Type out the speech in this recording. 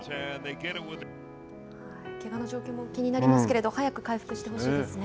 けがの状況も気になりますけれど早く回復してほしいですね。